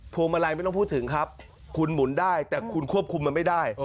วงมาลัยไม่ต้องพูดถึงครับคุณหมุนได้แต่คุณควบคุมมันไม่ได้